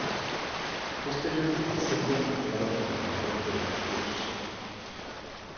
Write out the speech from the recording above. Posteriormente, sería nombrado gobernador de Veracruz.